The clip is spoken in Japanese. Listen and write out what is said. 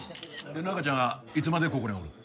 で中ちゃんはいつまでここにおるん？